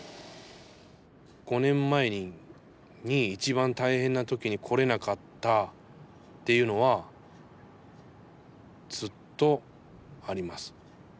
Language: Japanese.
５年前に一番大変な時に来れなかったっていうのはずっとあります。